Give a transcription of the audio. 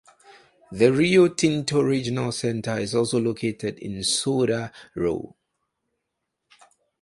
The Rio Tinto Regional Center is also located in SoDa Row.